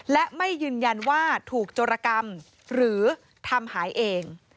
และไม่ยืนยันว่าถูกโจรกรรมหรือทำหายเอง